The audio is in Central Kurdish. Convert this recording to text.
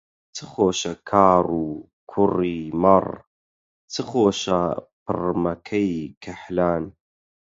چ خۆشە کاڕ و کووڕی مەڕ، چ خۆشە پڕمەکەی کەحلان